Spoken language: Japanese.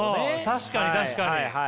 確かに確かに。